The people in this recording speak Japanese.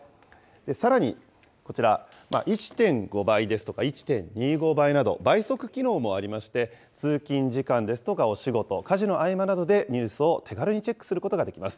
さらにこちら、１．５倍ですとか１．２５倍など、倍速機能もありまして、通勤時間ですとかお仕事、家事の合間などでニュースを手軽にチェックすることができます。